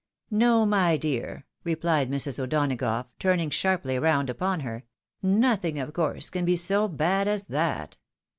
" No, my dear I " replied Mrs. O'Donagough, turning sharply round upon her ;" nothing, of course, can be so bad as that.